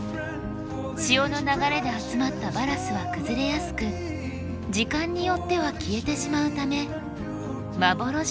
潮の流れで集まったバラスは崩れやすく時間によっては消えてしまうため幻の島とも呼ばれています。